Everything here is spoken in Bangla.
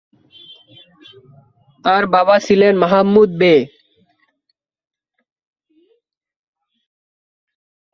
তাঁর বাবা ছিলেন মাহমুদ বে।